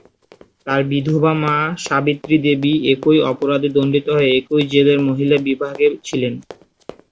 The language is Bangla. তার বিধবা মা সাবিত্রী দেবী একই অপরাধে দণ্ডিত হয়ে একই জেলের মহিলা বিভাগে ছিলেন।